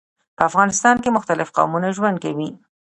په افغانستان کي مختلیف قومونه ژوند کوي.